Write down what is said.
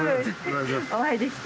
お会いできて。